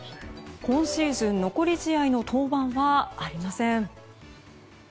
今シーズン残り試合の登板はありません。